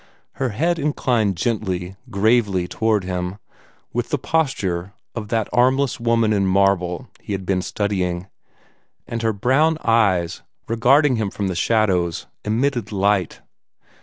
Her head inclined gently, gravely, toward him with the posture of that armless woman in marble he had been studying and her brown eyes, regarding him from the shadows, emitted light.